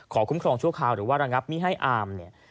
ขอคุ้มครองชั่วคราวหรือว่ารังับมิให้อาม